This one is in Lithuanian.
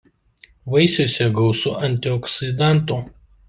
Vaisiuose gausu antioksidantų.